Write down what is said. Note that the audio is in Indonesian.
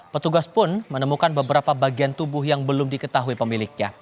petugas pun menemukan beberapa bagian tubuh yang belum diketahui pemiliknya